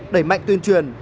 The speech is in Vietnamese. đẩy mạnh tuyên truyền